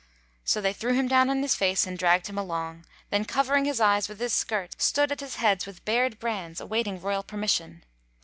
So they threw him down on his face and dragged him along; then, covering his eyes with his skirt, stood at his head with bared brands awaiting royal permission.